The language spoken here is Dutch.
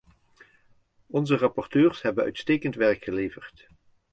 Onze rapporteurs hebben uitstekend werk geleverd.